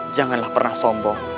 janganlah pernah sombong